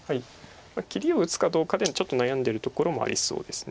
切りを打つかどうかでちょっと悩んでるところもありそうです。